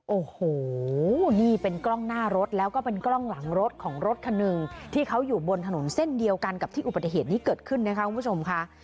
โอ้โหนี่เป็นกล้องหน้ารถแล้วก็เป็นกล้องหลังรถของรถคันหนึ่งที่เขาอยู่บนถนนเส้นเดียวกันกับที่อุบัติเหตุนี้เกิดขึ้นนะคะคุณผู้ชมค่ะ